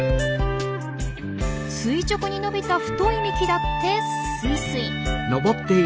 垂直に伸びた太い幹だってスイスイ。